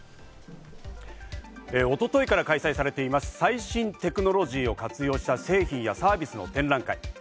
一昨日から開催されています、最新テクノロジーを活用した製品やサービスの展覧会。